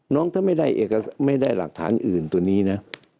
ถ้าไม่ได้หลักฐานอื่นตัวนี้นะ